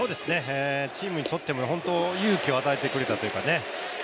チームにとっても本当に勇気を与えてくれたというかね。